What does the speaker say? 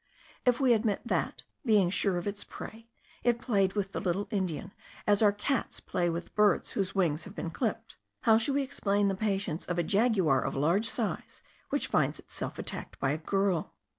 If we admit that, being sure of its prey, it played with the little Indian as our cats play with birds whose wings have been clipped, how shall we explain the patience of a jaguar of large size, which finds itself attacked by a girl?